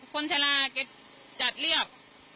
คนชะลาแกจัดเรียบ